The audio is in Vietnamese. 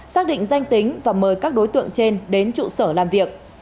xác định danh tính và mời các đối tượng trên đến trụ sở làm việc